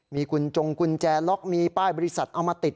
มีคุณจงกุญแจล็อกมีป้ายบริษัทเอามาติด